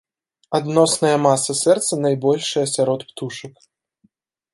Адносная маса сэрца найбольшая сярод птушак.